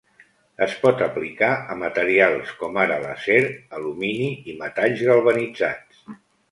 Es pot aplicar a materials com ara l'acer, alumini i metalls galvanitzats.